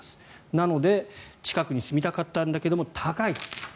なので、近くに住みたかったんだけれど高いと。